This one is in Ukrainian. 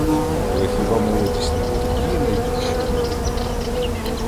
Але хіба молодість не володіє найбільшою вірою?